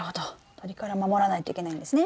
鳥から守らないといけないんですね。